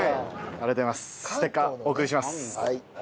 ありがとうございます。